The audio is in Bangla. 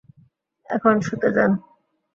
এখন শুতে যান।